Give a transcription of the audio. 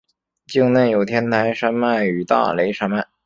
境内有天台山脉与大雷山脉。